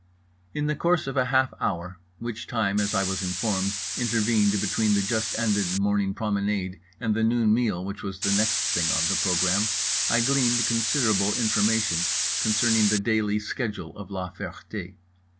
In the course of a half hour, which time, as I was informed, intervened between the just ended morning promenade and the noon meal which was the next thing on the program, I gleaned considerable information concerning the daily schedule of La Ferté.